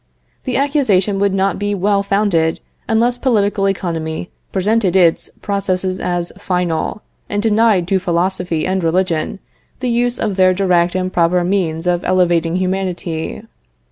The accusation would not be well founded unless political economy presented its processes as final, and denied to philosophy and religion the use of their direct and proper means of elevating humanity.